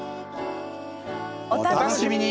お楽しみに！